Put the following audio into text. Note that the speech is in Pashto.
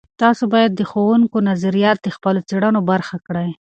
تاسې باید د ښوونکو نظریات د خپلو څیړنو برخه کړئ.